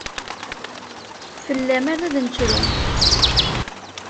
Fell-am ar d ad nettru.